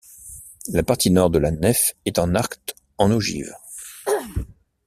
La partie nord de la nef est en arc en ogive.